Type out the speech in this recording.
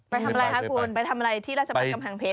ไปทำอะไรคะคุณไปทำอะไรที่ราชบันกำแพงเพชร